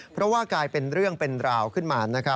เพราะว่ากลายเป็นเรื่องเป็นราวขึ้นมา